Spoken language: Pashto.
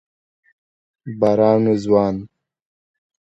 باران و ځوان